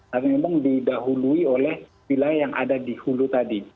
nah memang didahului oleh wilayah yang ada di hulu tadi